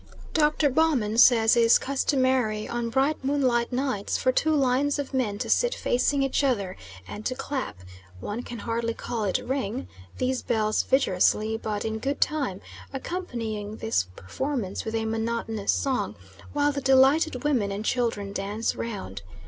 Dr. Baumann says it is customary on bright moonlight nights for two lines of men to sit facing each other and to clap one can hardly call it ring these bells vigorously, but in good time, accompanying this performance with a monotonous song, while the delighted women and children dance round.